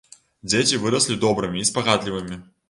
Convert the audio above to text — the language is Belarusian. Дзеці выраслі добрымі і спагадлівымі.